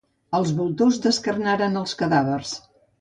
Els voltors descarnaren els cadàvers.